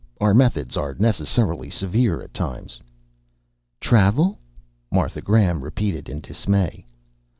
Our methods are necessarily severe at times." "Travel?" Martha Graham repeated in dismay.